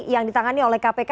yang ditangani oleh kpk